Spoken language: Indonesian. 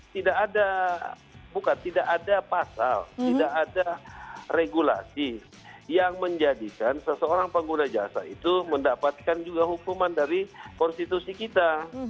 tidak ada bukan tidak ada pasal tidak ada regulasi yang menjadikan seseorang pengguna jasa itu mendapatkan juga hukuman dari konstitusi kita